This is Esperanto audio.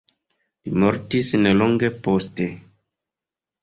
Li mortis nelonge poste.